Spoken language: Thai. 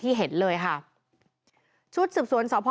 ตายหนึ่ง